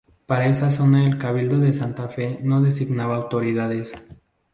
Para esa zona el cabildo de Santa Fe no designaba autoridades.